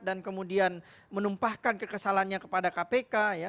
dan kemudian menumpahkan kekesalannya kepada kpk ya